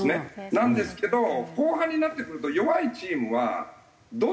なんですけど後半になってくると弱いチームはどんどん勝負してきますので。